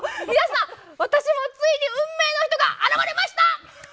皆さん私もついに運命の人が現れました！